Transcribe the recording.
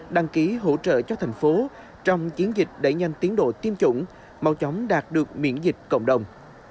đăng ký hỗ trợ cho thành phố trong chiến dịch đẩy nhanh tiến độ tiêm chủng mau chóng đạt được miễn dịch cộng đồng